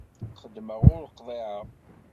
Xeddmeɣ ur qḍiɛeɣ.